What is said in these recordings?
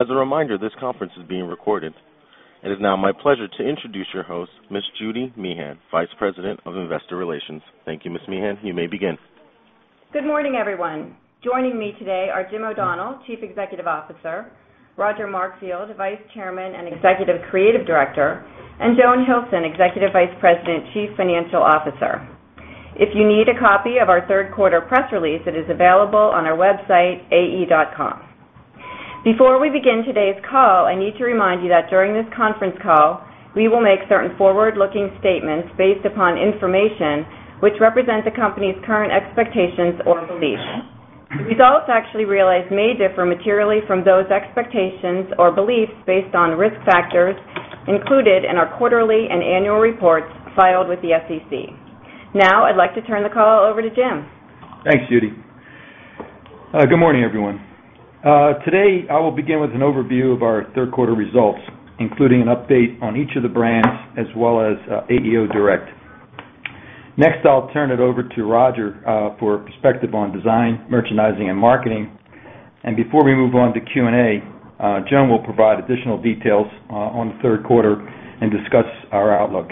As a reminder, this conference is being recorded. It is now my pleasure to introduce your host, Ms. Judy Meehan, Vice President of Investor Relations. Thank you, Ms. Meehan. You may begin. Good morning, everyone. Joining me today are Jim O'Donnell, Chief Executive Officer, Roger Markfield, Vice Chairman and Executive Creative Director, and Joan Hilson, Executive Vice President, Chief Financial Officer. If you need a copy of our third-quarter press release, it is available on our website, ae.com. Before we begin today's call, I need to remind you that during this conference call, we will make certain forward-looking statements based upon information which represents the company's current expectations or beliefs. These also actually realized may differ materially from those expectations or beliefs based on risk factors included in our quarterly and annual reports filed with the SEC. Now, I'd like to turn the call over to Jim. Thanks, Judy. Good morning, everyone. Today, I will begin with an overview of our third-quarter results, including an update on each of the brands as well as AEO Direct. Next, I'll turn it over to Roger for a perspective on design, merchandising, and marketing. Before we move on to Q&A, Joan will provide additional details on the third quarter and discuss our outlook.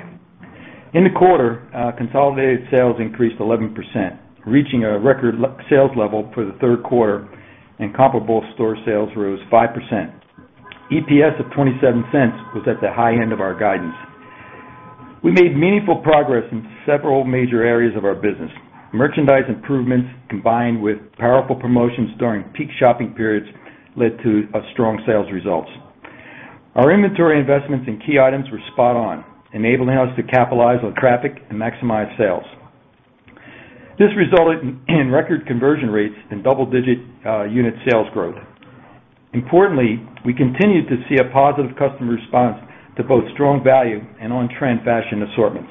In the quarter, consolidated sales increased 11%, reaching a record sales level for the third quarter, and comparable store sales rose 5%. EPS of $0.27 was at the high end of our guidance. We made meaningful progress in several major areas of our business. Merchandise improvements, combined with powerful promotions during peak shopping periods, led to strong sales results. Our inventory investments in key items were spot on, enabling us to capitalize on traffic and maximize sales. This resulted in record conversion rates and double-digit unit sales growth. Importantly, we continued to see a positive customer response to both strong value and on-trend fashion assortments.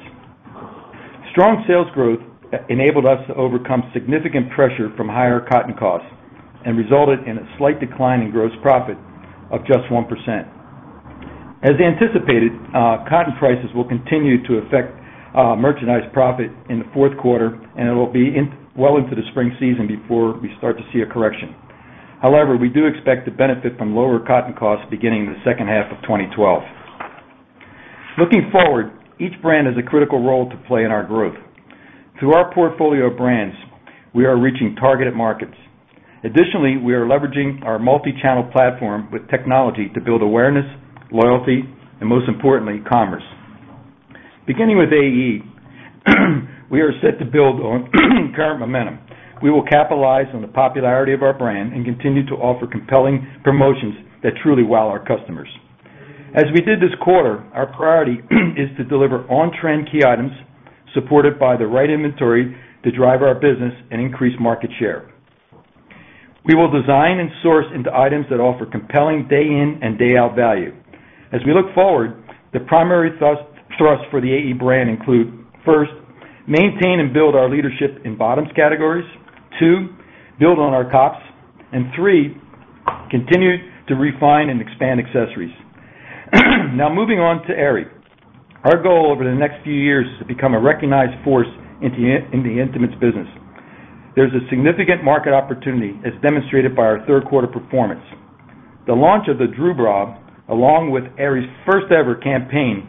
Strong sales growth enabled us to overcome significant pressure from higher cotton costs and resulted in a slight decline in gross profit of just 1%. As anticipated, cotton prices will continue to affect merchandise profit in the fourth quarter, and it will be well into the spring season before we start to see a correction. However, we do expect to benefit from lower cotton costs beginning in the second half of 2012. Looking forward, each brand has a critical role to play in our growth. Through our portfolio of brands, we are reaching targeted markets. Additionally, we are leveraging our multichannel platform with technology to build awareness, loyalty, and most importantly, commerce. Beginning with AE, we are set to build on current momentum. We will capitalize on the popularity of our brand and continue to offer compelling promotions that truly wow our customers. As we did this quarter, our priority is to deliver on-trend key items supported by the right inventory to drive our business and increase market share. We will design and source into items that offer compelling day-in and day-out value. As we look forward, the primary thrust for the AE brand include, first, maintain and build our leadership in bottoms categories, two, build on our tops, and three, continue to refine and expand accessories. Now, moving on to Aerie. Our goal over the next few years is to become a recognized force in the intimates business. There's a significant market opportunity, as demonstrated by our third-quarter performance. The launch of the Drew Bra, along with Aerie's first-ever campaign,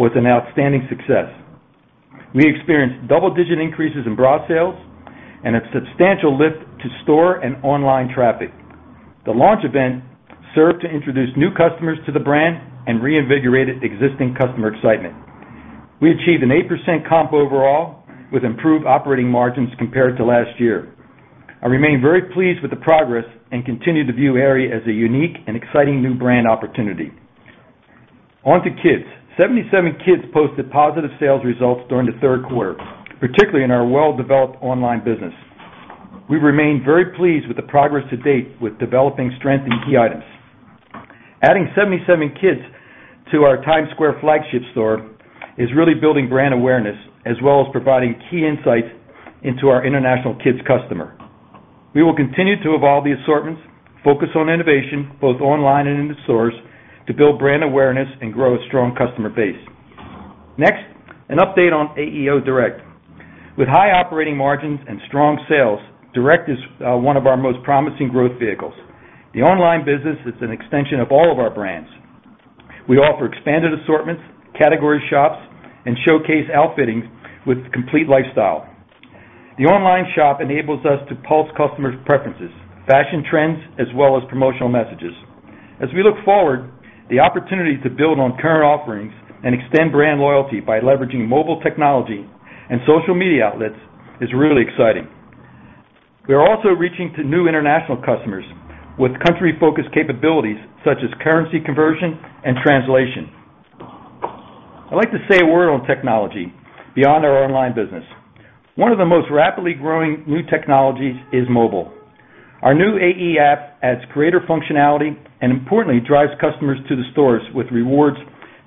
was an outstanding success. We experienced double-digit increases in broad sales and a substantial lift to store and online traffic. The launch event served to introduce new customers to the brand and reinvigorated existing customer excitement. We achieved an 8% comp overall with improved operating margins compared to last year. I remain very pleased with the progress and continue to view Aerie as a unique and exciting new brand opportunity. On to kids. 77kids posted positive sales results during the third quarter, particularly in our well-developed online business. We remain very pleased with the progress to date with developing strength in key items. Adding 77kids to our Times Square flagship store is really building brand awareness as well as providing key insights into our international kids' customer. We will continue to evolve the assortments, focus on innovation both online and in the stores to build brand awareness and grow a strong customer base. Next, an update on AEO Direct. With high operating margins and strong sales, Direct is one of our most promising growth vehicles. The online business is an extension of all of our brands. We offer expanded assortments, category shops, and showcase outfittings with complete lifestyle. The online shop enables us to pulse customers' preferences, fashion trends, as well as promotional messages. As we look forward, the opportunity to build on current offerings and extend brand loyalty by leveraging mobile technology and social media outlets is really exciting. We are also reaching to new international customers with country-focused capabilities such as currency conversion and translation. I'd like to say a word on technology beyond our online business. One of the most rapidly growing new technologies is mobile. Our new AE app adds greater functionality and, importantly, drives customers to the stores with rewards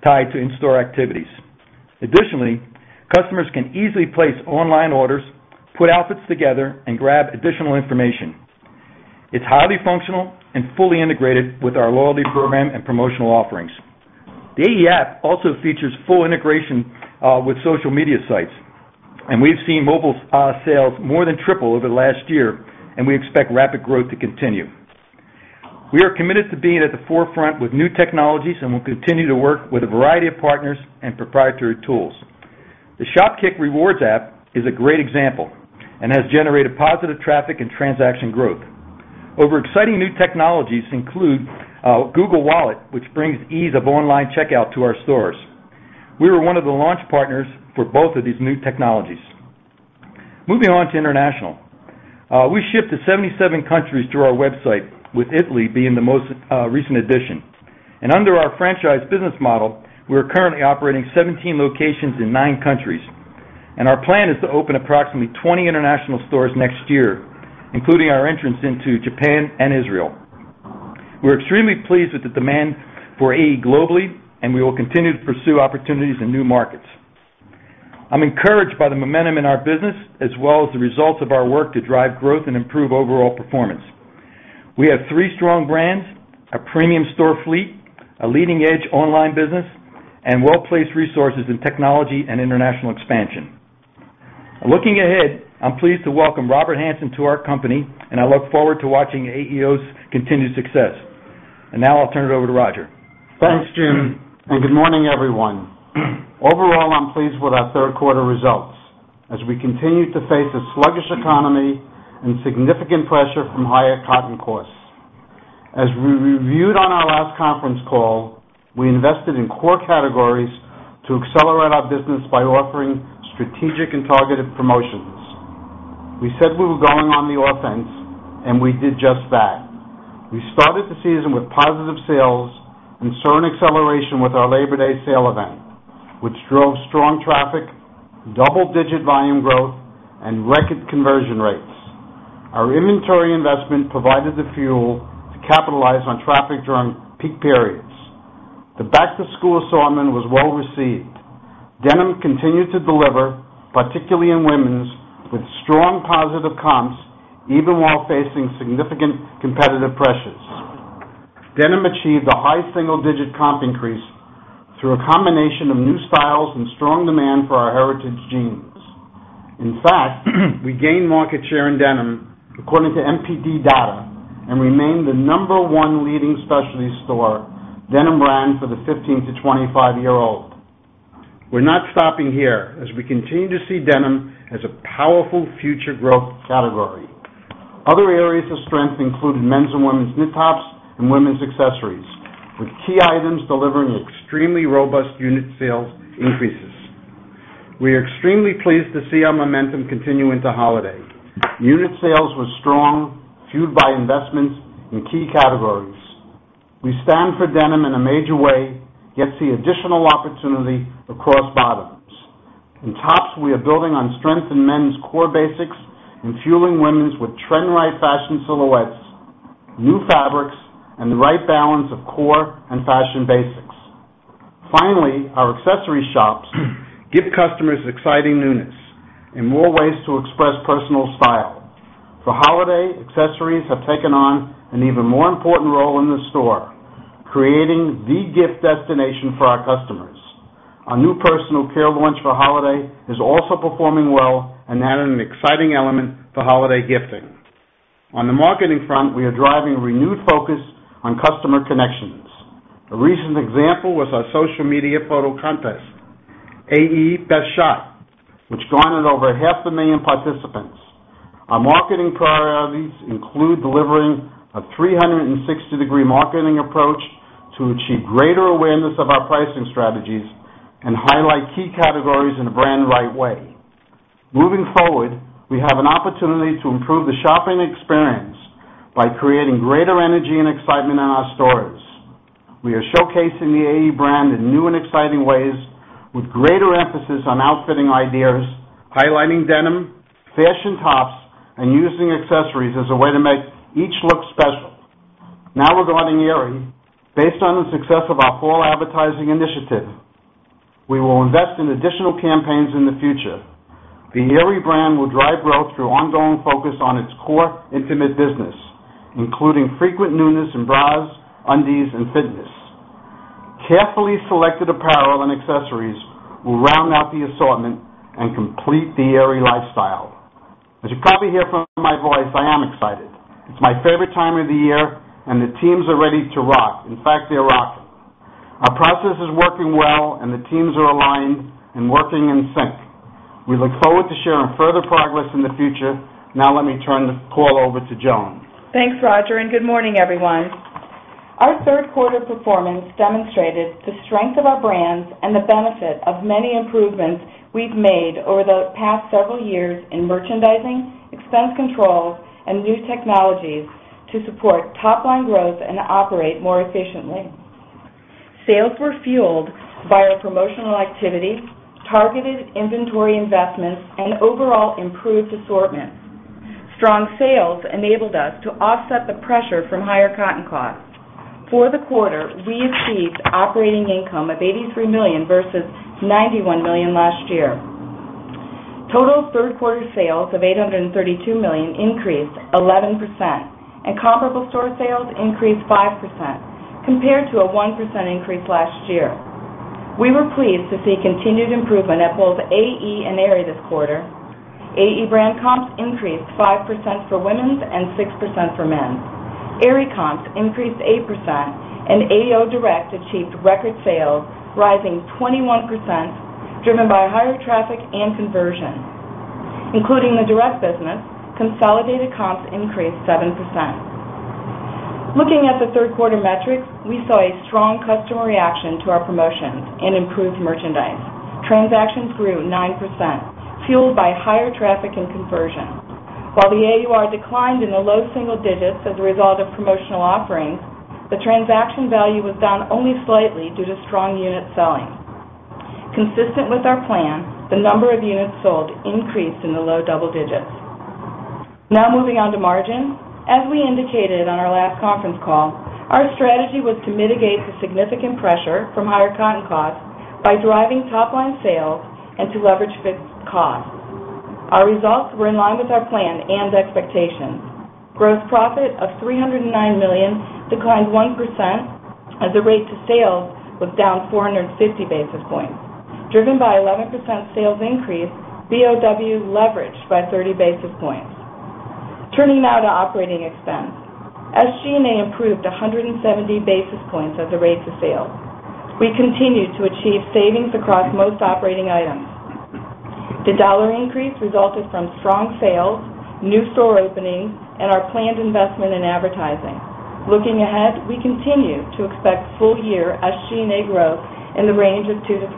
tied to in-store activities. Additionally, customers can easily place online orders, put outfits together, and grab additional information. It's highly functional and fully integrated with our loyalty program and promotional offerings. The AE app also features full integration with social media sites, and we've seen mobile sales more than triple over the last year, and we expect rapid growth to continue. We are committed to being at the forefront with new technologies and will continue to work with a variety of partners and proprietary tools. The Shopkick rewards app is a great example and has generated positive traffic and transaction growth. Other exciting new technologies include Google Wallet, which brings ease of online checkout to our stores. We were one of the launch partners for both of these new technologies. Moving on to international, we ship to 77 countries through our website, with Italy being the most recent addition. Under our franchise business model, we are currently operating 17 locations in nine countries. Our plan is to open approximately 20 international stores next year, including our entrance into Japan and Israel. We are extremely pleased with the demand for AE globally, and we will continue to pursue opportunities in new markets. I'm encouraged by the momentum in our business as well as the results of our work to drive growth and improve overall performance. We have three strong brands, a premium store fleet, a leading-edge online business, and well-placed resources in technology and international expansion. Looking ahead, I'm pleased to welcome Robert Hanson to our company, and I look forward to watching AEO's continued success. Now, I'll turn it over to Roger. Thanks, Jim, and good morning, everyone. Overall, I'm pleased with our third-quarter results as we continue to face a sluggish economy and significant pressure from higher cotton costs. As we reviewed on our last conference call, we invested in core categories to accelerate our business by offering strategic and targeted promotions. We said we were going on the offense, and we did just that. We started the season with positive sales and saw an acceleration with our Labor Day sale event, which drove strong traffic, double-digit volume growth, and record conversion rates. Our inventory investment provided the fuel to capitalize on traffic during peak periods. The back-to-school assortment was well-received. Denim continued to deliver, particularly in women's, with strong positive comps even while facing significant competitive pressures. Denim achieved a high single-digit comp increase through a combination of new styles and strong demand for our heritage jeans. In fact, we gained market share in denim according to NPD data and remained the number one leading specialty store denim brand for the 15-25-year-old. We're not stopping here as we continue to see denim as a powerful future growth category. Other areas of strength included men's and women's knit tops and women's accessories, with key items delivering extremely robust unit sales increases. We are extremely pleased to see our momentum continue into holiday. Unit sales were strong, fueled by investments in key categories. We stand for denim in a major way, yet see additional opportunity across bottoms. In tops, we are building on strength in men's core basics and fueling women's with trend-wide fashion silhouettes, new fabrics, and the right balance of core and fashion basics. Finally, our accessory shops give customers exciting newness and more ways to express personal style. For holiday, accessories have taken on an even more important role in the store, creating the gift destination for our customers. Our new personal care launch for holiday is also performing well and adding an exciting element for holiday gifting. On the marketing front, we are driving a renewed focus on customer connections. A recent example was our social media photo contest, AE BestShot, which garnered over 500,000 participants. Our marketing priorities include delivering a 360-degree marketing approach to achieve greater awareness of our pricing strategies and highlight key categories in a brand-right way. Moving forward, we have an opportunity to improve the shopping experience by creating greater energy and excitement in our stores. We are showcasing the AE brand in new and exciting ways, with greater emphasis on outfitting ideas, highlighting denim, fashion tops, and using accessories as a way to make each look special. Now, regarding Aerie, based on the success of our fall advertising initiative, we will invest in additional campaigns in the future. The Aerie brand will drive growth through ongoing focus on its core intimate business, including frequent newness in bras, undies, and fitness. Carefully selected apparel and accessories will round out the assortment and complete the Aerie lifestyle. As you probably hear from my voice, I am excited. It's my favorite time of the year, and the teams are ready to rock. In fact, they are rocking. Our process is working well, and the teams are aligned and working in sync. We look forward to sharing further progress in the future. Now, let me turn the call over to Joan. Thanks, Roger, and good morning, everyone. Our third-quarter performance demonstrated the strength of our brands and the benefit of many improvements we've made over the past several years in merchandising, expense control, and new technologies to support top-line growth and operate more efficiently. Sales were fueled by our promotional activities, targeted inventory investments, and overall improved assortment. Strong sales enabled us to offset the pressure from higher cotton costs. For the quarter, we achieved operating income of $83 million versus $91 million last year. Total third-quarter sales of $832 million increased 11%, and comparable store sales increased 5% compared to a 1% increase last year. We were pleased to see continued improvement at both AE and Aerie this quarter. AE brand comps increased 5% for women's and 6% for men's. Aerie comps increased 8%, and AEO Direct achieved record sales, rising 21%, driven by higher traffic and conversion. Including the direct business, consolidated comps increased 7%. Looking at the third-quarter metrics, we saw a strong customer reaction to our promotions and improved merchandise. Transactions grew 9%, fueled by higher traffic and conversion. While the AUR declined in the low single digits as a result of promotional offerings, the transaction value was down only slightly due to strong unit selling. Consistent with our plan, the number of units sold increased in the low double digits. Now, moving on to margin. As we indicated on our last conference call, our strategy was to mitigate the significant pressure from higher cotton costs by driving top-line sales and to leverage fixed costs. Our results were in line with our plan and expectations. Gross profit of $309 million declined 1% and the rate to sales was down 450 basis points. Driven by 11% sales increase, BOW leveraged by 30 basis points. Turning now to operating expense, SG&A improved 170 basis points at the rate to sales. We continued to achieve savings across most operating items. The dollar increase resulted from strong sales, new store openings, and our planned investment in advertising. Looking ahead, we continue to expect full-year SG&A growth in the range of 2%-3%.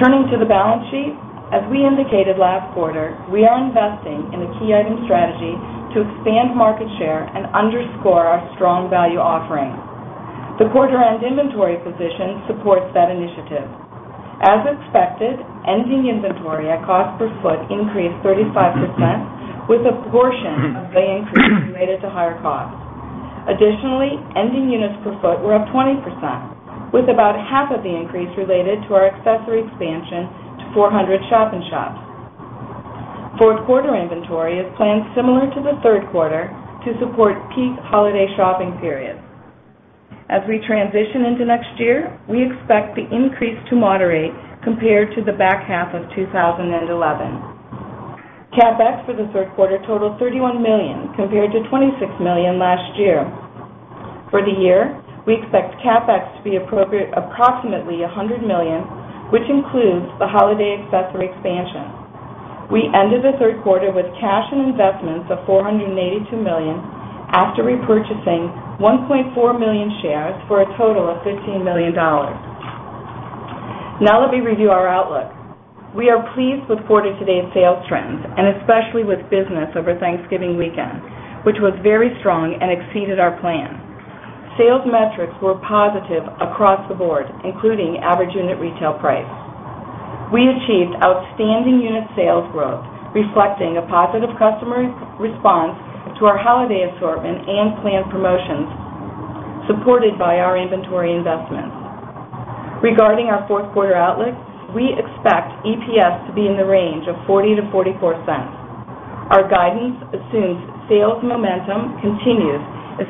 Turning to the balance sheet, as we indicated last quarter, we are investing in a key item strategy to expand market share and underscore our strong value offering. The quarter-end inventory position supports that initiative. As expected, ending inventory at cost per foot increased 35%, with a portion of the increase related to higher costs. Additionally, ending units per foot were up 20%, with about half of the increase related to our accessory expansion to 400 shop and shops. Fourth-quarter inventory is planned similar to the third quarter to support peak holiday shopping periods. As we transition into next year, we expect the increase to moderate compared to the back half of 2011. CapEx for the third quarter totaled $31 million compared to $26 million last year. For the year, we expect CapEx to be approximately $100 million, which includes the holiday accessory expansion. We ended the third quarter with cash and investments of $482 million after repurchasing 1.4 million shares for a total of $15 million. Now, let me review our outlook. We are pleased with quarter-to-date sales trends, and especially with business over Thanksgiving weekend, which was very strong and exceeded our plan. Sales metrics were positive across the board, including average unit retail price. We achieved outstanding unit sales growth, reflecting a positive customer response to our holiday assortment and planned promotions supported by our inventory investments. Regarding our fourth-quarter outlook, we expect EPS to be in the range of $0.40-$0.44. Our guidance assumes sales momentum continues,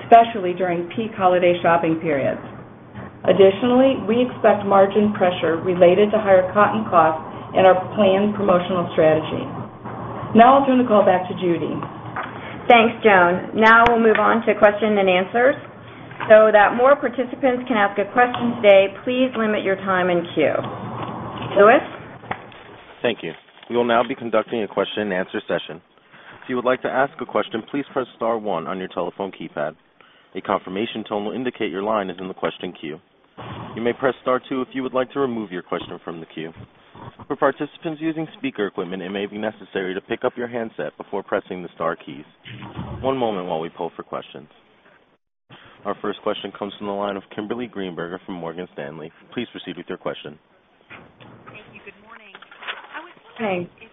especially during peak holiday shopping periods. Additionally, we expect margin pressure related to higher cotton costs in our planned promotional strategy. Now, I'll turn the call back to Judy. Thanks, Joan. Now, we'll move on to question and answers. So that more participants can ask a question today, please limit your time in queue. Lewis? Thank you. We will now be conducting a question-and-answer session. If you would like to ask a question, please press star one on your telephone keypad. A confirmation tone will indicate your line is in the question queue. You may press star two if you would like to remove your question from the queue. For participants using speaker equipment, it may be necessary to pick up your handset before pressing the star keys. One moment while we pull for questions. Our first question comes from the line of Kimberly Greenberg from Morgan Stanley. Please proceed with your question. Thank you. Good morning. I was wondering if,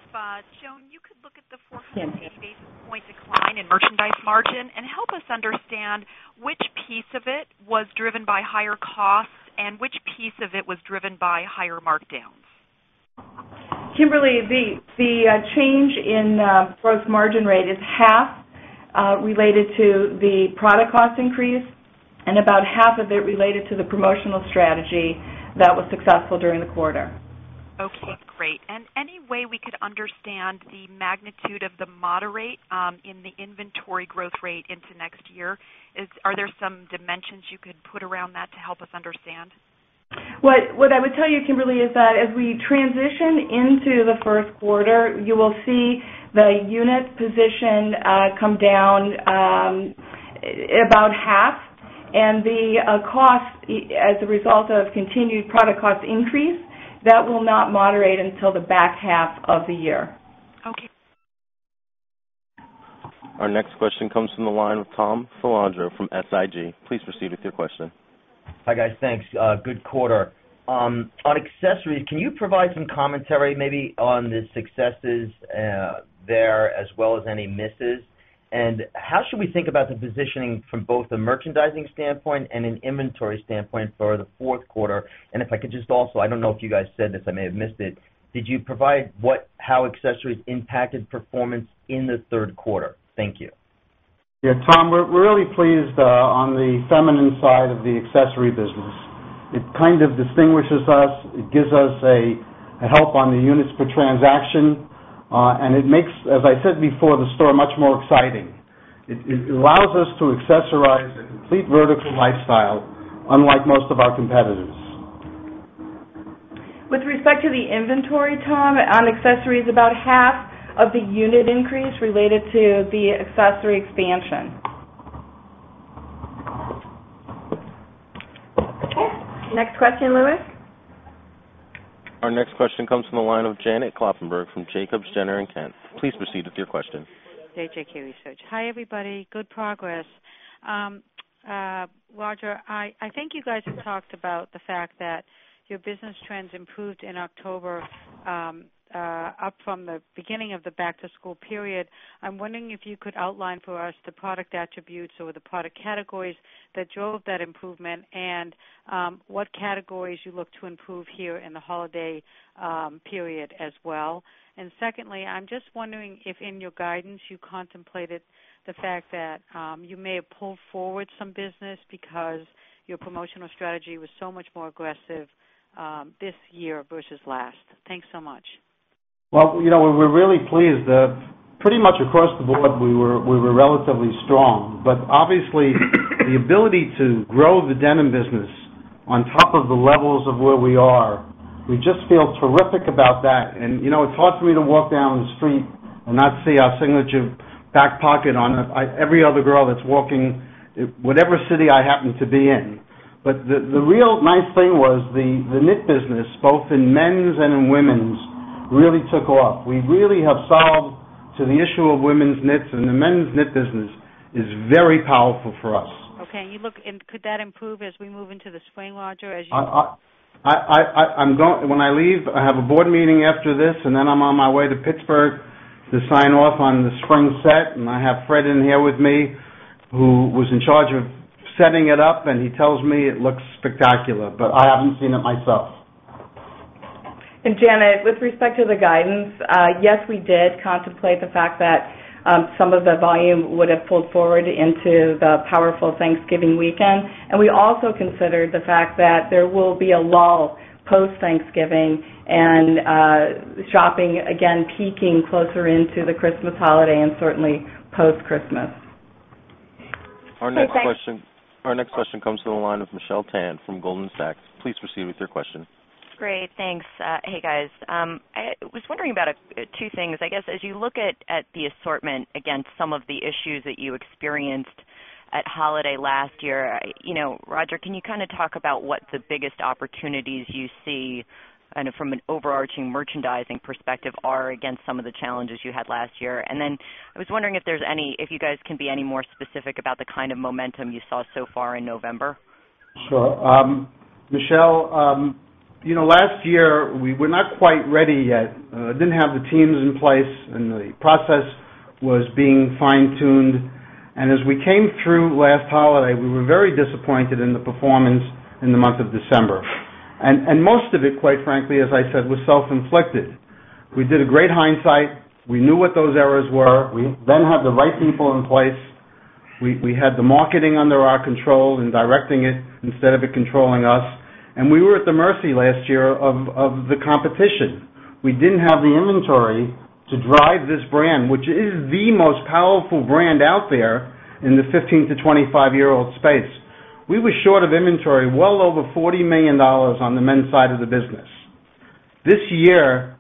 Joan, you could look at the 480 basis point decline in merchandise margin and help us understand which piece of it was driven by higher costs and which piece of it was driven by higher markdowns. Kimberly, the change in gross margin rate is half related to the product cost increase, and about half of it related to the promotional strategy that was successful during the quarter. Okay, great. Is there any way we could understand the magnitude of the moderate in the inventory growth rate into next year? Are there some dimensions you could put around that to help us understand? Kimberly, as we transition into the first quarter, you will see the unit position come down about half, and the cost as a result of continued product cost increase that will not moderate until the back half of the year. Okay. Our next question comes from the line of Tom Filandro from SIG. Please proceed with your question. Hi, guys. Thanks. Good quarter. On accessories, can you provide some commentary maybe on the successes there as well as any misses? How should we think about the positioning from both the merchandising standpoint and an inventory standpoint for the fourth quarter? If I could just also, I don't know if you guys said this, I may have missed it. Did you provide how accessories impacted performance in the third quarter? Thank you. Yeah, Tom, we're really pleased on the feminine side of the accessory business. It kind of distinguishes us. It gives us a help on the units per transaction, and it makes, as I said before, the store much more exciting. It allows us to accessorize a complete vertical lifestyle unlike most of our competitors. With respect to the inventory, Tom, on accessories, about half of the unit increase related to the accessory expansion. Cool. Next question, Lewis? Our next question comes from the line of Janet Kloppenburg from JJK Research. Please proceed with your question. Hi, everybody. Good progress. Roger, I think you guys have talked about the fact that your business trends improved in October up from the beginning of the back-to-school period. I'm wondering if you could outline for us the product attributes or the product categories that drove that improvement and what categories you look to improve here in the holiday period as well. Secondly, I'm just wondering if in your guidance you contemplated the fact that you may have pulled forward some business because your promotional strategy was so much more aggressive this year versus last. Thanks so much. You know we're really pleased that pretty much across the board we were relatively strong. Obviously, the ability to grow the denim business on top of the levels of where we are, we just feel terrific about that. You know it's hard for me to walk down the street and not see our signature back pocket on every other girl that's walking whatever city I happen to be in. The real nice thing was the knit business, both in men's and in women's, really took off. We really have solved the issue of women's knits, and the men's knit business is very powerful for us. Could that improve as we move into the spring, Roger, as you? When I leave, I have a Board meeting after this, and then I'm on my way to Pittsburgh to sign off on the spring set. I have Fredrick in here with me, who was in charge of setting it up, and he tells me it looks spectacular. I haven't seen it myself. Janet, with respect to the guidance, yes, we did contemplate the fact that some of the volume would have pulled forward into the powerful Thanksgiving weekend. We also considered the fact that there will be a lull post-Thanksgiving and shopping again peaking closer into the Christmas holiday and certainly post-Christmas. Our next question comes from the line of Michelle Tan from Goldman Sachs. Please proceed with your question. That's great. Thanks. Hey guys. I was wondering about two things. As you look at the assortment against some of the issues that you experienced at holiday last year, Roger, can you talk about what the biggest opportunities you see from an overarching merchandising perspective are against some of the challenges you had last year? I was wondering if you guys can be any more specific about the kind of momentum you saw so far in November? Sure. Michelle, you know last year we were not quite ready yet. I didn't have the teams in place, and the process was being fine-tuned. As we came through last holiday, we were very disappointed in the performance in the month of December. Most of it, quite frankly, as I said, was self-inflicted. We did a great hindsight. We knew what those errors were. We then had the right people in place. We had the marketing under our control and directing it instead of it controlling us. We were at the mercy last year of the competition. We didn't have the inventory to drive this brand, which is the most powerful brand out there in the 15-25-year-old space. We were short of inventory, well over $40 million on the men's side of the business. This year,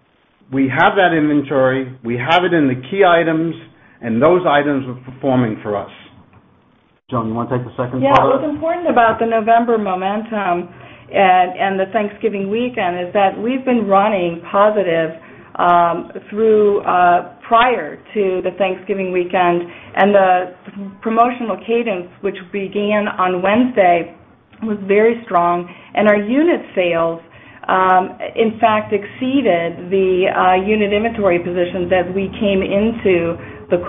we have that inventory. We have it in the key items, and those items are performing for us. Joan, you want to take the second slide? Yeah, what's important about the November momentum and the Thanksgiving weekend is that we've been running positive prior to the Thanksgiving weekend. The promotional cadence, which began on Wednesday, was very strong, and our unit sales, in fact, exceeded the unit inventory position that we came into the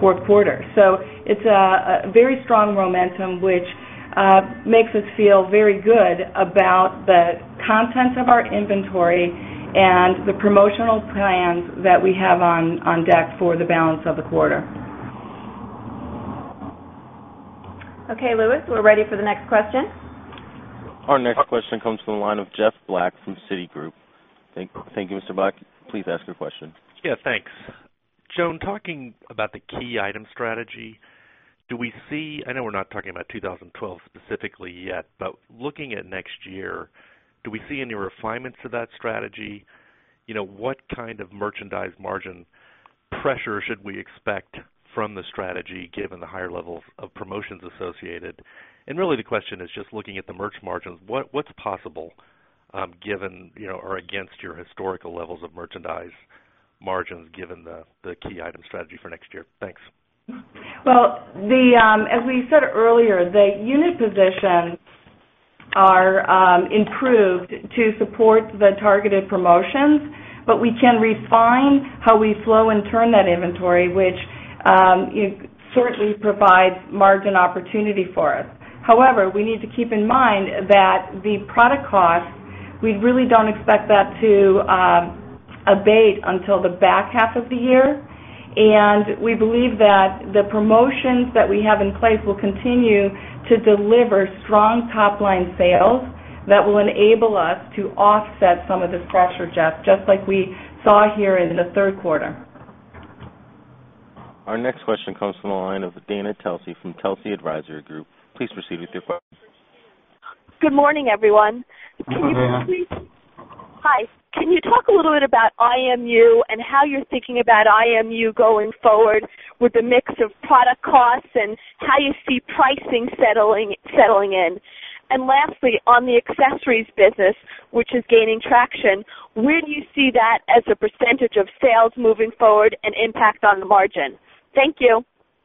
fourth quarter with. It's a very strong momentum, which makes us feel very good about the contents of our inventory and the promotional plans that we have on deck for the balance of the quarter. Okay, Lewis, we're ready for the next question. Our next question comes from the line of Jeff Black from Citigroup. Thank you, Mr. Black. Please ask your question. Yeah, thanks. Joan, talking about the key item strategy, do we see, I know we're not talking about 2012 specifically yet, but looking at next year, do we see any refinements to that strategy? What kind of merchandise margin pressure should we expect from the strategy, given the higher levels of promotions associated? Really, the question is just looking at the merch margins, what's possible given, you know, or against your historical levels of merchandise margins, given the key item strategy for next year? Thanks. As we said earlier, the unit positions are improved to support the targeted promotions. We can refine how we flow and turn that inventory, which certainly provides margin opportunity for us. However, we need to keep in mind that the product cost, we really don't expect that to abate until the back half of the year. We believe that the promotions that we have in place will continue to deliver strong top-line sales that will enable us to offset some of the pressure, Jeff, just like we saw here in the third quarter. Our next question comes from the line of Dana Telsey from Telsey Advisory Group. Please proceed with your question. Good morning, everyone. Hi. Can you talk a little bit about IMU and how you're thinking about IMU going forward with a mix of product costs and how you see pricing settling in? Lastly, on the accessories business, which is gaining traction, where do you see that as a percentage of sales moving forward and impact on the margin? Thank you.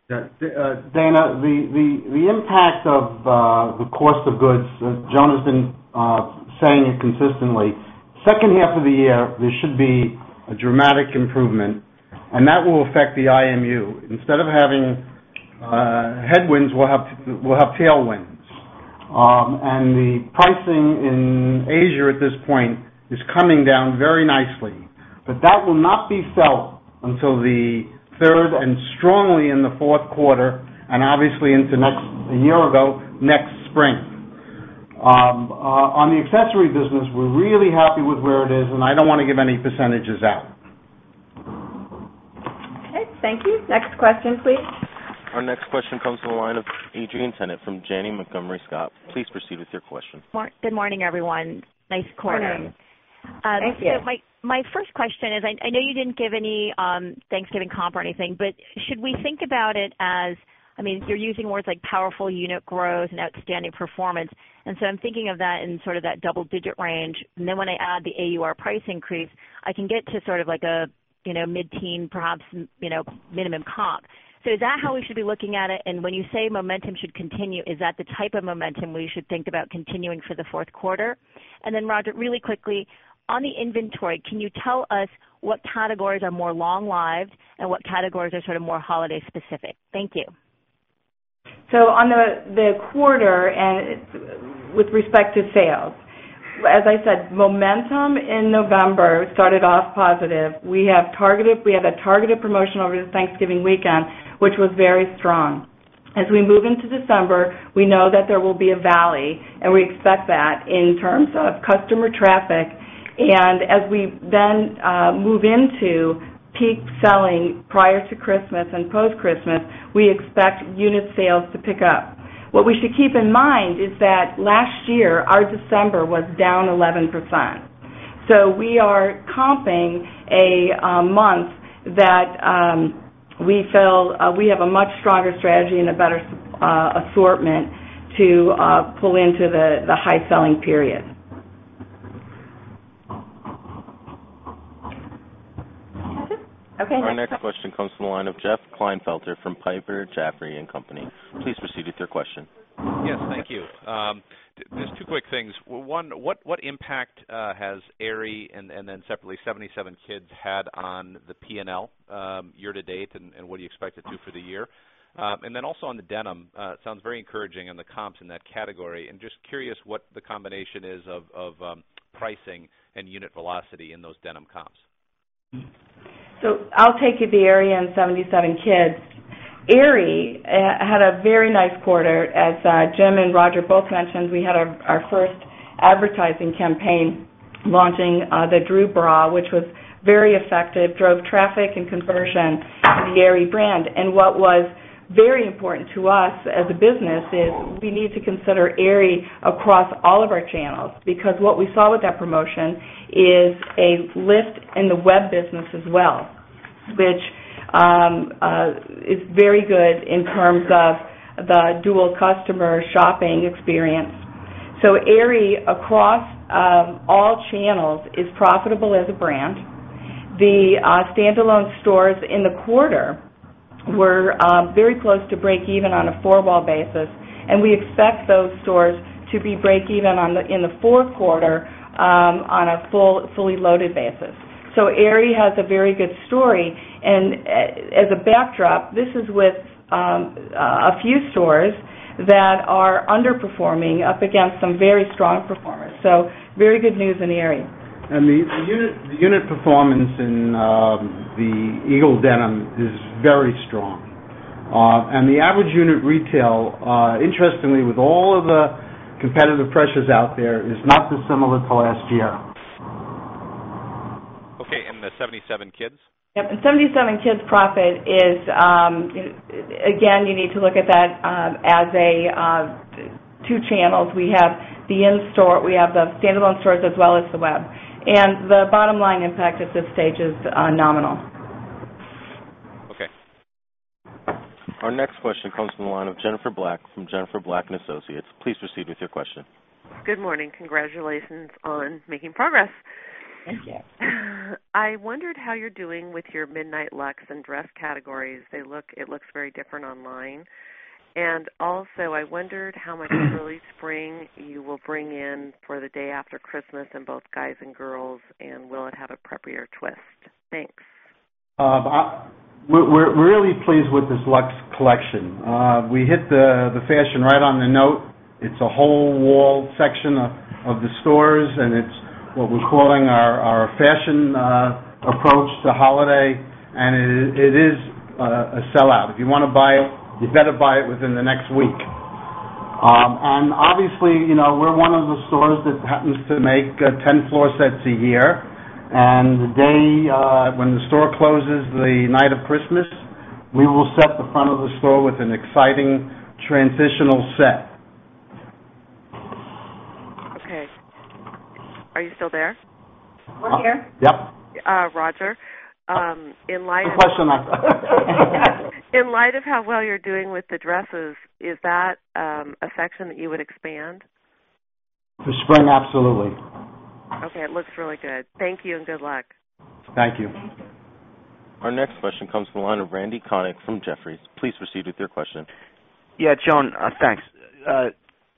Dana, the impacts of the cost of goods, Joan has been saying it consistently. Second half of the year, there should be a dramatic improvement, and that will affect the IMU. Instead of having headwinds, we'll have tailwinds. The pricing in Asia at this point is coming down very nicely. That will not be felt until the third and strongly in the fourth quarter, and obviously into next year, next spring. On the accessory business, we're really happy with where it is, and I don't want to give any percentages out. Okay, thank you. Next question, please. Our next question comes from the line of Adrienne Tennant from Janney Montgomery Scott. Please proceed with your question. Good morning, everyone. Nice quarter. My first question is, I know you didn't give any Thanksgiving comp or anything, but should we think about it as, I mean, you're using words like powerful unit growth and outstanding performance. I'm thinking of that in sort of that double-digit range. When I add the AUR price increase, I can get to sort of like a mid-teen, perhaps, you know, minimum comp. Is that how we should be looking at it? When you say momentum should continue, is that the type of momentum we should think about continuing for the fourth quarter? Roger, really quickly, on the inventory, can you tell us what categories are more long-lived and what categories are sort of more holiday-specific? Thank you. On the quarter and with respect to sales, as I said, momentum in November started off positive. We have a targeted promotion over the Thanksgiving weekend, which was very strong. As we move into December, we know that there will be a valley, and we expect that in terms of customer traffic. As we then move into peak selling prior to Christmas and post-Christmas, we expect unit sales to pick up. What we should keep in mind is that last year, our December was down 11%. We are comping a month that we feel we have a much stronger strategy and a better assortment to pull into the high selling period. Okay. Our next question comes from the line of Jeff Kleinfelder from Piper Jaffray and Company. Please proceed with your question. Yes, thank you. Just two quick things. One, what impact has Aerie and then separately 77kids had on the P&L year to date and what do you expect it to do for the year? Also, on the denim, it sounds very encouraging on the comps in that category. Just curious what the combination is of pricing and unit velocity in those denim comps. I'll take you to the area in 77kids. Aerie had a very nice quarter. As Jim and Roger both mentioned, we had our first advertising campaign launching the Drew Bra, which was very effective, drove traffic and conversion in the Aerie brand. What was very important to us as a business is we need to consider Aerie across all of our channels because what we saw with that promotion is a lift in the web business as well, which is very good in terms of the dual customer shopping experience. Aerie across all channels is profitable as a brand. The standalone stores in the quarter were very close to break even on a four-wall basis. We expect those stores to be break even in the fourth quarter on a fully loaded basis. Aerie has a very good story. As a backdrop, this is with a few stores that are underperforming up against some very strong performers. Very good news in Aerie. The unit performance in the Eagle denim is very strong. The average unit retail, interestingly, with all of the competitive pressures out there, is not dissimilar to last year. Okay, and the 77kids? Yep, and 77kids profit is, again, you need to look at that as two channels. We have the in-store, we have the standalone stores as well as the web. The bottom line impact at this stage is nominal. Okay. Our next question comes from the line of Jennifer Black from Jennifer Black & Associates. Please proceed with your question. Good morning. Congratulations on making progress. Thank you. I wondered how you're doing with your midnight luxe and dress categories. They look very different online. I also wondered how much early spring you will bring in for the day after Christmas in both guys and girls, and will it have a preppier twist? Thanks. We're really pleased with this luxe collection. We hit the fashion right on the note. It's a whole wall section of the stores, and it's what we're calling our fashion approach to holiday. It is a sellout. If you want to buy it, you better buy it within the next week. Obviously, you know we're one of the stores that happens to make 10 floor sets a year. The day when the store closes, the night of Christmas, we will set the front of the store with an exciting transitional set. Okay, are you still there? We're here. Yep. Roger. Good question. In light of how well you're doing with the dresses, is that a section that you would expand? For spring, absolutely. Okay, it looks really good. Thank you and good luck. Thank you. Our next question comes from the line of Randy Connick from Jefferies. Please proceed with your question. Yeah, Joan, thanks.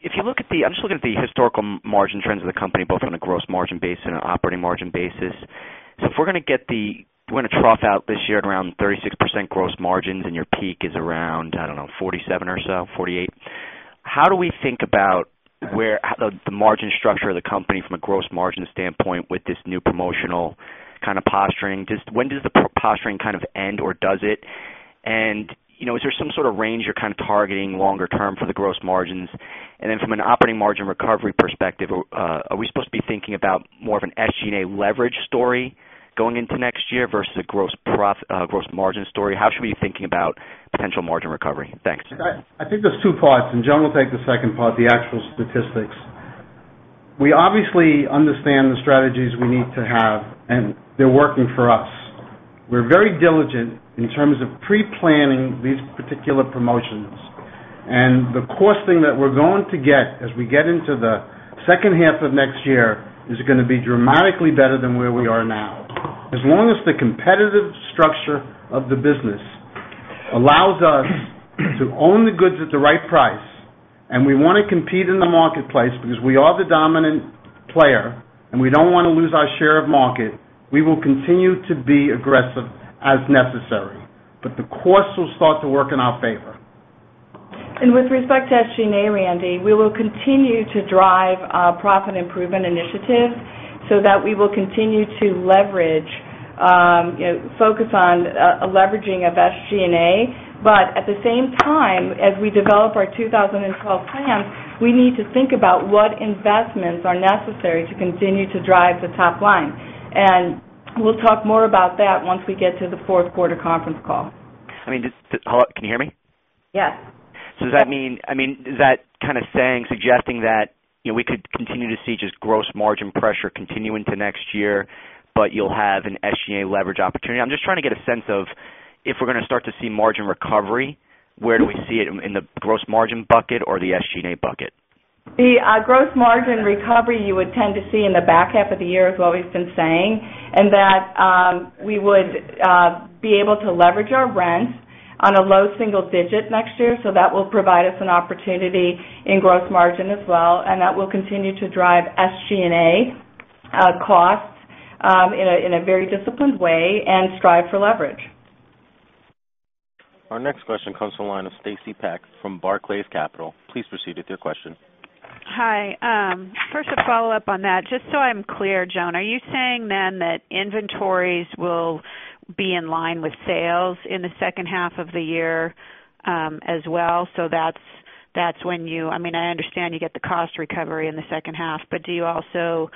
If you look at the, I'm just looking at the historical margin trends of the company, both on a gross margin basis and an operating margin basis. If we're going to get the, we're going to trough out this year at around 36% gross margins and your peak is around, I don't know, 47% or so, 48%. How do we think about where the margin structure of the company from a gross margin standpoint with this new promotional kind of posturing? When does the posturing kind of end or does it? You know, is there some sort of range you're kind of targeting longer term for the gross margins? From an operating margin recovery perspective, are we supposed to be thinking about more of an SG&A leverage story going into next year versus a gross margin story? How should we be thinking about potential margin recovery? Thanks. I think there's two parts, and Joan will take the second part, the actual statistics. We obviously understand the strategies we need to have, and they're working for us. We're very diligent in terms of pre-planning these particular promotions. The core thing that we're going to get as we get into the second half of next year is going to be dramatically better than where we are now. As long as the competitive structure of the business allows us to own the goods at the right price, and we want to compete in the marketplace because we are the dominant player and we don't want to lose our share of market, we will continue to be aggressive as necessary. The course will start to work in our favor. With respect to SG&A, Randy, we will continue to drive profit improvement initiatives so that we will continue to leverage, focus on leveraging of SG&A. At the same time, as we develop our 2012 plan, we need to think about what investments are necessary to continue to drive the top line. We will talk more about that once we get to the fourth quarter conference call. Can you hear me? Yes. Does that mean, I mean, is that kind of saying, suggesting that we could continue to see just gross margin pressure continue into next year, but you'll have an SG&A leverage opportunity? I'm just trying to get a sense of if we're going to start to see margin recovery, where do we see it in the gross margin bucket or the SG&A bucket? The gross margin recovery you would tend to see in the back half of the year is what we've been saying. We would be able to leverage our rents on a low single digit next year, which will provide us an opportunity in gross margin as well. That will continue to drive SG&A costs in a very disciplined way and strive for leverage. Our next question comes from the line of Stacy Pak from Barclays Capital. Please proceed with your question. Hi. First, a follow-up on that. Just so I'm clear, Joan, are you saying then that inventories will be in line with sales in the second half of the year as well? I understand you get the cost recovery in the second half, but do you also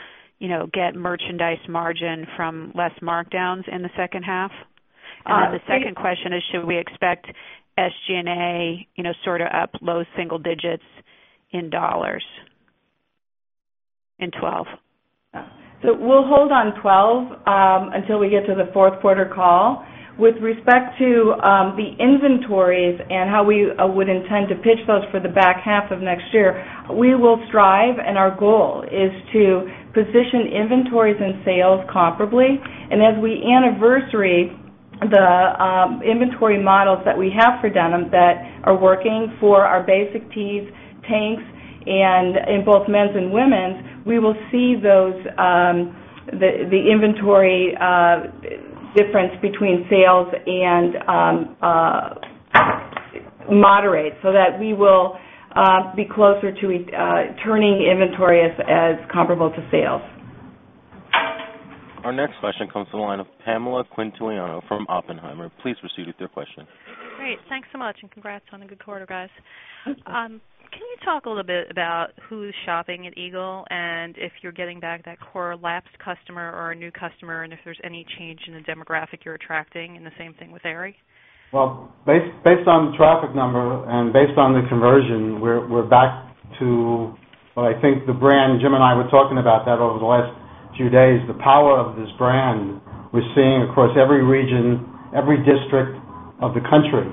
get merchandise margin from less markdowns in the second half? The second question is, should we expect SG&A, you know, sort of up low single digits in dollars in 2012? Yeah. We'll hold on 2012 until we get to the fourth quarter call. With respect to the inventories and how we would intend to pitch those for the back half of next year, we will strive, and our goal is to position inventories and sales comparably. As we anniversary the inventory models that we have for denim that are working for our basic tees, tanks, and in both men's and women's, we will see the inventory difference between sales and moderate so that we will be closer to turning inventory as comparable to sales. Our next question comes from the line of Pamela Quintiliano from Oppenheimer. Please proceed with your question. Great. Thanks so much, and congrats on the good quarter, guys. Can you talk a little bit about who's shopping at Eagle and if you're getting back that core lapsed customer or a new customer, and if there's any change in the demographic you're attracting, and the same thing with Aerie? Based on the traffic number and based on the conversion, we're back to, I think the brand, Jim and I were talking about that over the last few days, the power of this brand we're seeing across every region, every district of the country.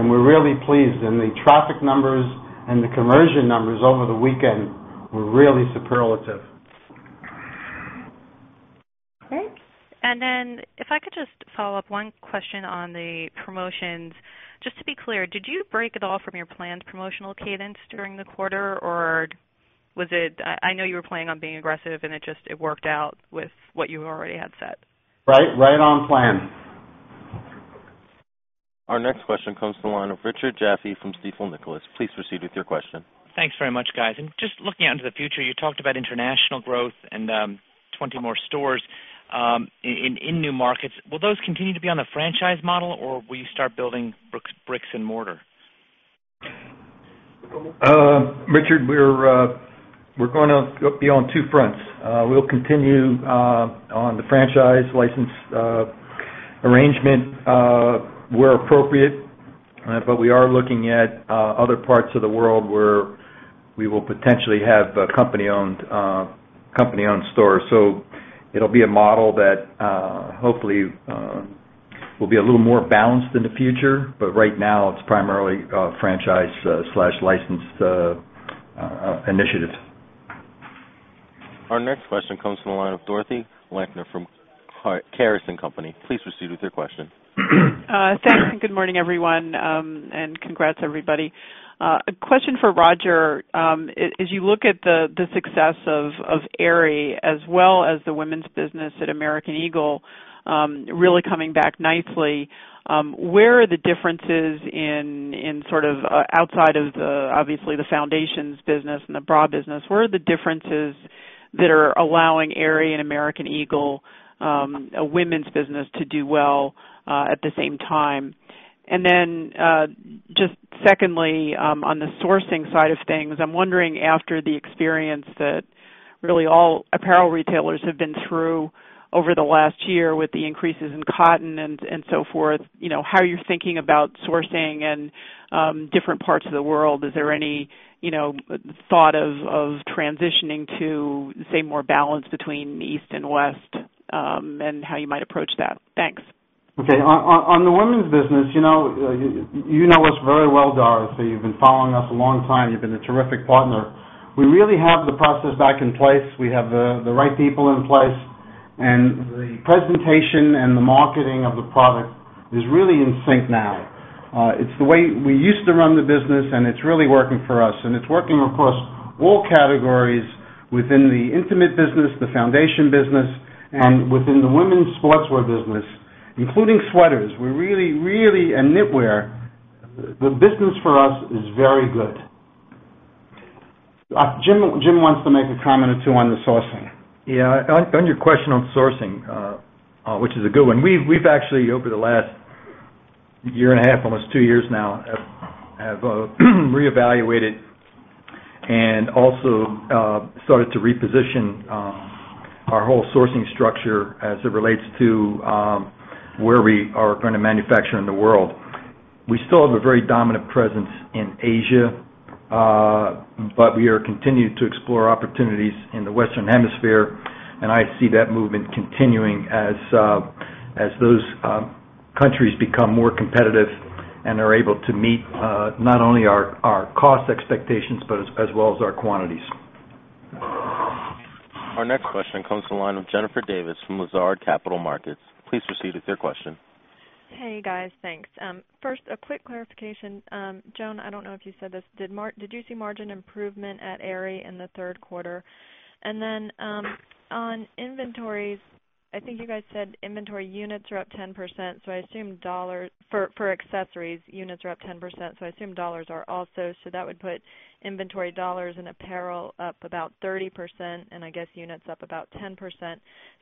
We're really pleased. The traffic numbers and the conversion numbers over the weekend were really superlative. Great. If I could just follow up one question on the promotions. Just to be clear, did you break at all from your planned promotional cadence during the quarter, or was it, I know you were planning on being aggressive and it just worked out with what you already had set? Right on plan. Our next question comes from the line of Richard Jaffe from Stifel, Nicolaus. Please proceed with your question. Thanks very much, guys. Just looking out into the future, you talked about international growth and 20 more stores in new markets. Will those continue to be on the franchise model, or will you start building bricks and mortar? Richard, we're going to be on two fronts. We'll continue on the franchise license arrangement where appropriate. We are looking at other parts of the world where we will potentially have company-owned stores. It'll be a model that hopefully will be a little more balanced in the future. Right now, it's primarily franchise/licensed initiatives. Our next question comes from the line of Dorothy Lakner from Caris & Company. Please proceed with your question. Thanks, and good morning, everyone, and congrats, everybody. A question for Roger. As you look at the success of Aerie, as well as the women's business at American Eagle, really coming back nicely, where are the differences in sort of outside of the, obviously, the foundations business and the bra business, where are the differences that are allowing Aerie and American Eagle, a women's business, to do well at the same time? Secondly, on the sourcing side of things, I'm wondering after the experience that really all apparel retailers have been through over the last year with the increases in cotton and so forth, you know how you're thinking about sourcing in different parts of the world. Is there any thought of transitioning to, say, more balance between East and West and how you might approach that? Thanks. Okay. On the women's business, you know us very well, Dorothy. You've been following us a long time. You've been a terrific partner. We really have the process back in place. We have the right people in place, and the presentation and the marketing of the product is really in sync now. It's the way we used to run the business, and it's really working for us. It's working across all categories within the intimate business, the foundation business, and within the women's sportswear business, including sweaters and knitwear. The business for us is very good. Jim wants to make a comment or two on the sourcing. Yeah, on your question on sourcing, which is a good one, we've actually, over the last year and a half, almost two years now, reevaluated and also started to reposition our whole sourcing structure as it relates to where we are going to manufacture in the world. We still have a very dominant presence in Asia, but we are continuing to explore opportunities in the Western Hemisphere. I see that movement continuing as those countries become more competitive and are able to meet not only our cost expectations, but as well as our quantities. Our next question comes from the line of Jennifer Davis from Lazard Capital Markets. Please proceed with your question. Hey, guys, thanks. First, a quick clarification. Joan, I don't know if you said this. Did you see margin improvement at Aerie in the third quarter? On inventories, I think you guys said inventory units are up 10%. I assume dollars for accessories, units are up 10%. I assume dollars are also, so that would put inventory dollars and apparel up about 30%, and I guess units up about 10%.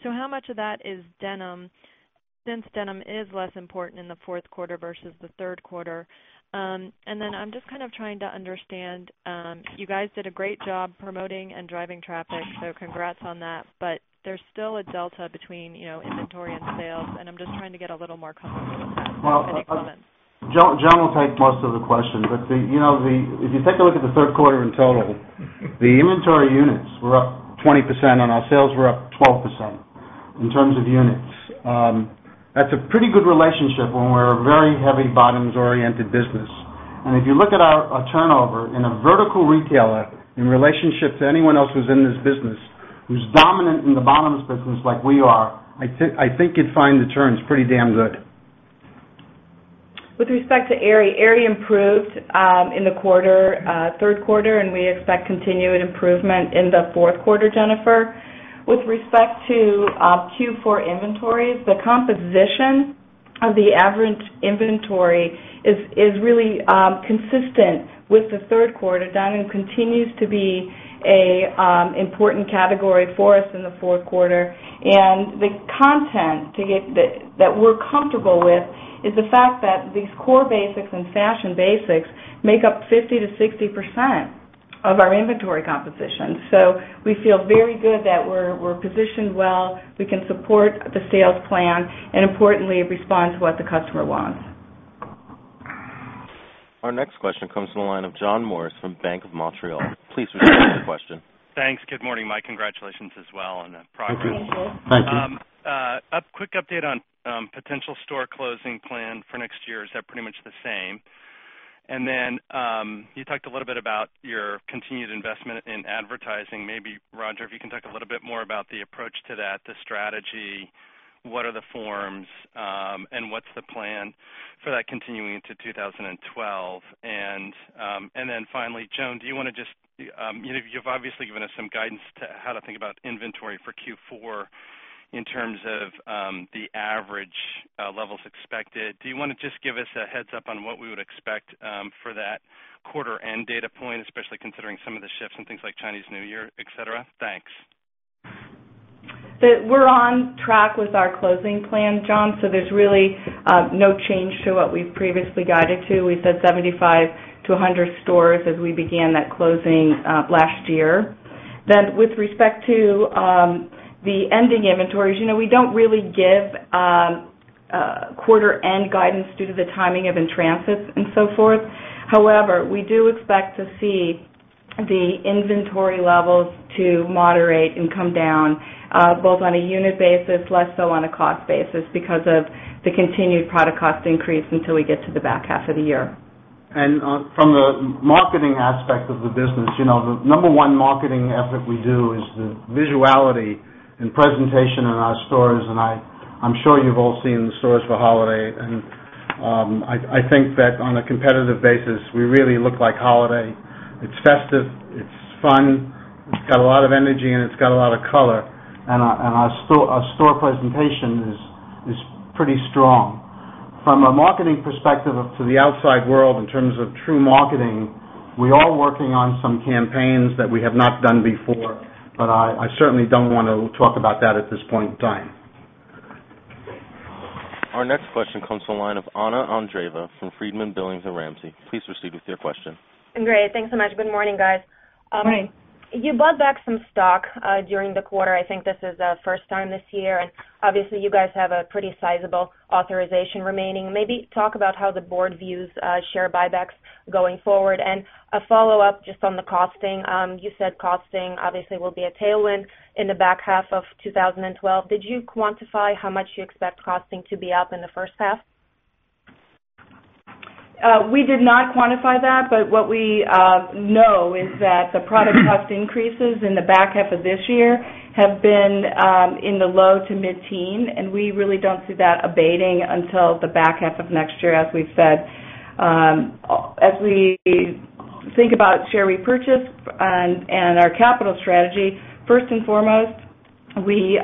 How much of that is denim since denim is less important in the fourth quarter versus the third quarter? I'm just kind of trying to understand, you guys did a great job promoting and driving traffic, so congrats on that. There's still a delta between, you know, inventory and sales, and I'm just trying to get a little more comfortable with that. Joan will take most of the question. If you take a look at the third quarter in total, the inventory units were up 20% and our sales were up 12% in terms of units. That's a pretty good relationship when we're a very heavy bottoms-oriented business. If you look at our turnover in a vertical retailer in relationship to anyone else who's in this business, who's dominant in the bottoms business like we are, I think you'd find the turns pretty damn good. With respect to Aerie, Aerie improved in the third quarter, and we expect continued improvement in the fourth quarter, Jennifer. With respect to Q4 inventories, the composition of the average inventory is really consistent with the third quarter and continues to be an important category for us in the fourth quarter. The content that we're comfortable with is the fact that these core basics and fashion basics make up 50%-60% of our inventory composition. We feel very good that we're positioned well. We can support the sales plan and importantly respond to what the customer wants. Our next question comes from the line of John Morris from Bank of Montreal. Please proceed with your question. Thanks. Good morning. My congratulations as well on the product. Thank you. A quick update on potential store closing plan for next year. Is that pretty much the same? You talked a little bit about your continued investment in advertising. Maybe, Roger, if you can talk a little bit more about the approach to that, the strategy, what are the forms, and what's the plan for that continuing into 2012? Finally, Joan, do you want to just, you've obviously given us some guidance to how to think about inventory for Q4 in terms of the average levels expected. Do you want to just give us a heads up on what we would expect for that quarter-end data point, especially considering some of the shifts and things like Chinese New Year, etc.? Thanks. We're on track with our closing plan, John. There's really no change to what we've previously guided to. We said 75-100 stores as we began that closing last year. With respect to the ending inventories, you know we don't really give quarter-end guidance due to the timing of in-transits and so forth. However, we do expect to see the inventory levels moderate and come down both on a unit basis, less so on a cost basis because of the continued product cost increase until we get to the back half of the year. From the marketing aspect of the business, you know the number one marketing effort we do is the visuality and presentation in our stores. I'm sure you've all seen the stores for holiday. I think that on a competitive basis, we really look like holiday. It's festive, it's fun, it's got a lot of energy, and it's got a lot of color. Our store presentation is pretty strong. From a marketing perspective to the outside world in terms of true marketing, we are working on some campaigns that we have not done before. I certainly don't want to talk about that at this point in time. Our next question comes from the line of Anna Andreeva from Friedman, Billings, Ramsey. Please proceed with your question. Great, thanks so much. Good morning, guys. Morning. You bought back some stock during the quarter. I think this is the first time this year. You guys have a pretty sizable authorization remaining. Maybe talk about how the Board views share buybacks going forward. A follow-up just on the costing. You said costing obviously will be a tailwind in the back half of 2012. Did you quantify how much you expect costing to be up in the first half? We did not quantify that. What we know is that the product cost increases in the back half of this year have been in the low to mid-teen. We really don't see that abating until the back half of next year, as we've said. As we think about share repurchase and our capital strategy, first and foremost, we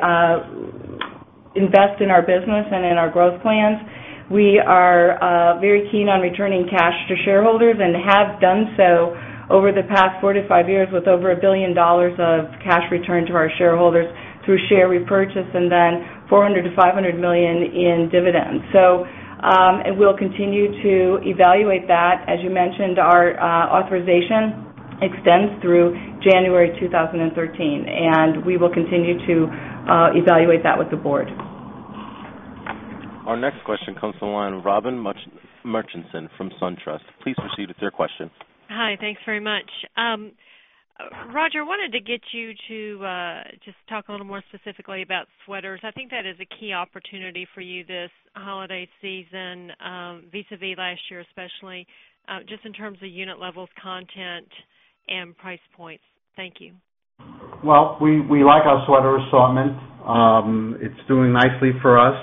invest in our business and in our growth plans. We are very keen on returning cash to shareholders and have done so over the past four to five years with over $1 billion of cash returned to our shareholders through share repurchase and then $400 million-$500 million in dividends. We will continue to evaluate that. As you mentioned, our authorization extends through January 2013. We will continue to evaluate that with the Board. Our next question comes from the line of Robin Murchison from SunTrust. Please proceed with your question. Hi, thanks very much. Roger, I wanted to get you to just talk a little more specifically about sweaters. I think that is a key opportunity for you this holiday season, vis-à-vis last year especially, just in terms of unit levels, content, and price points. Thank you. We like our sweaters, so I meant it's doing nicely for us.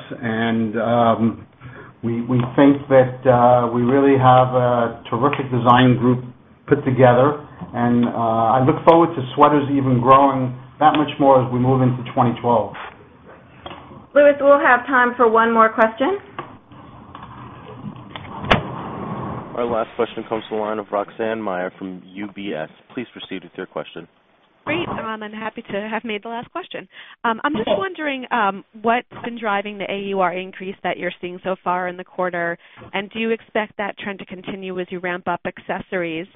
We think that we really have a terrific design group put together. I look forward to sweaters even growing that much more as we move into 2012. Lewis, we have time for one more question. Our last question comes from the line of Roxanne Meyer from UBS. Please proceed with your question. Great. I'm happy to have made the last question. I'm just wondering what's been driving the AUR increase that you're seeing so far in the quarter? Do you expect that trend to continue as you ramp up accessories?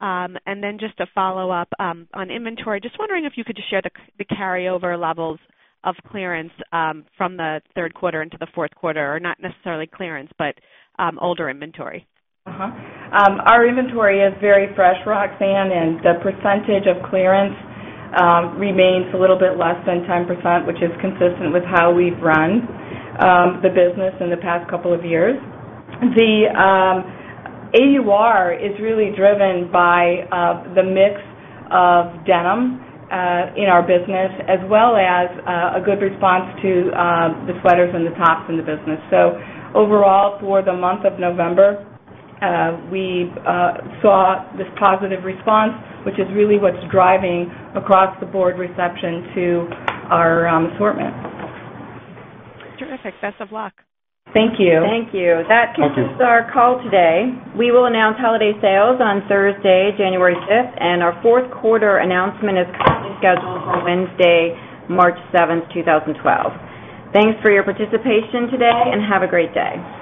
Just a follow-up on inventory. I'm just wondering if you could share the carryover levels of clearance from the third quarter into the fourth quarter, or not necessarily clearance, but older inventory. Our inventory is very fresh, Roxanne. The percentage of clearance remains a little bit less than 10%, which is consistent with how we've run the business in the past couple of years. The AUR is really driven by the mix of denim in our business, as well as a good response to the sweaters and the tops in the business. Overall, for the month of November, we saw this positive response, which is really what's driving across the board reception to our assortment. Terrific. Best of luck. Thank you. Thank you. That concludes our call today. We will announce holiday sales on Thursday, January 5. Our fourth quarter announcement is currently scheduled for Wednesday, March 7, 2012. Thanks for your participation today, and have a great day.